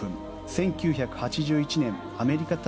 １９８１年アメリカ対